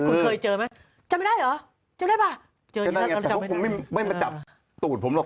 คุณเคยเจอไหมจำไม่ได้เหรอจำได้ป่ะเขาคงไม่ไม่มาจับตูดผมหรอก